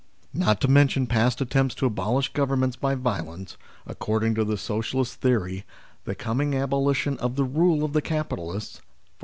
Not to mention past attempts to abolish Governments by violence, according to the Socialist theory the coming abolition of the rule of the capitalists, i.e.